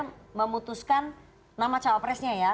dan memutuskan nama cawapresnya ya